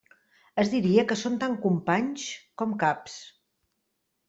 Es diria que són tant companys com caps.